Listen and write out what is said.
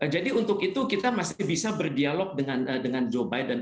jadi untuk itu kita masih bisa berdialog dengan joe biden